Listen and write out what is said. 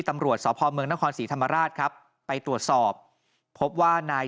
ตำรวจสพเมืองนครศรีธรรมราชครับไปตรวจสอบพบว่านาย